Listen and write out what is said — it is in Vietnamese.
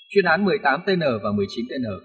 chuyên án một mươi tám tn và một mươi chín tn